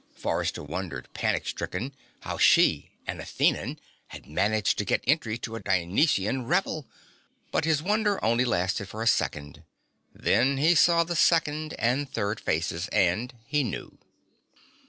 Forrester wondered, panic stricken, how she, an Athenan, had managed to get entry to a Dionysian revel but his wonder only lasted for a second. Then he saw the second and third faces, and he knew.